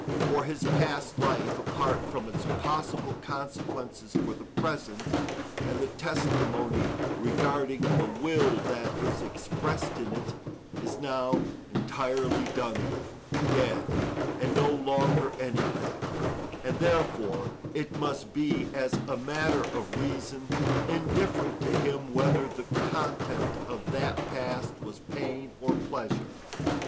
For his past life, apart from its possible consequences for the present, and the testimony regarding the will that is expressed in it, is now entirely done with, dead, and no longer anything; and, therefore, it must be, as a matter of reason, indifferent to him whether the content of that past was pain or pleasure.